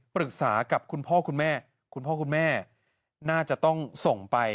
ปรึกษากับคุณพ่อคุณแม่คุณพ่อคุณแม่น่าจะต้องส่งไป